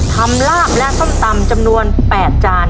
ลาบและส้มตำจำนวน๘จาน